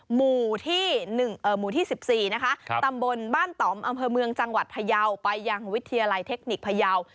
หมู่ที่๑๔นะคะตำบลบ้านต่อมอำเภอเมืองจังหวัดพยาวไปยังวิทยาลัยเทคนิคพยาว